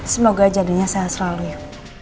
semoga jadinya sehat selalu ya